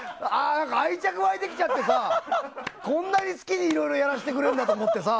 愛着湧いてきちゃってさこんなに好きにいろいろやらせてくれると思ってさ。